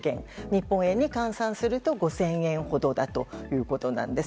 日本円に換算すると５００円ほどだというんです。